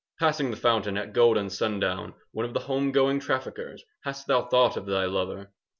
10 Passing the fountain At golden sundown, One of the home going Traffickers, hast thou Thought of thy lover?